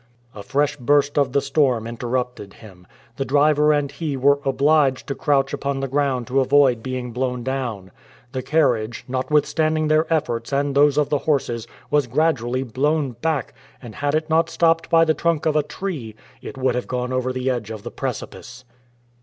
A fresh burst of the storm interrupted him. The driver and he were obliged to crouch upon the ground to avoid being blown down. The carriage, notwithstanding their efforts and those of the horses, was gradually blown back, and had it not been stopped by the trunk of a tree, it would have gone over the edge of the precipice.